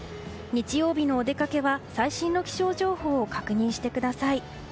日曜日のお出かけは最新の気象情報を確認してください。